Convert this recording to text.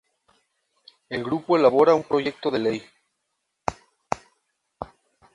El grupo elabora un proyecto de ley.